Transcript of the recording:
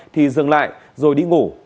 thì dừng lại rồi đi ngủ